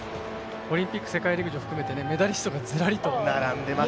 オリンピック、世界陸上含めてメダリストがずらりと。